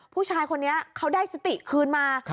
ผู้ชายคนนี้เขาได้สติคืนมา